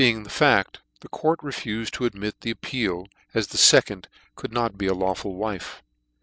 ing the faft, the court refufed to admit the appeal, as the fecond could not be a lawful wife.